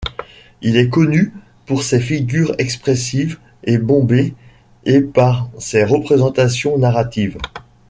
Il est connu pour ses figures expressives et bombées et par ses représentations narratives.